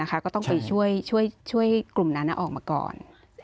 ก็ต้องไปช่วยกลุ่มนั้นออกมาก่อน